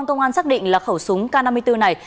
công an xác định là khẩu súng k năm mươi bốn này